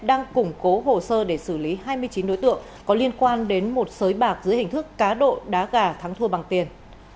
đang củng cố hồ sơ để xử lý hai mươi chín đối tượng có liên quan đến một sới bạc dưới hình thức cá độ đá gà thắng thua bằng tiền